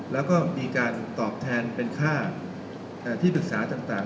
แล้วก็มีการตอบแทนเป็นค่าที่ปรึกษาต่าง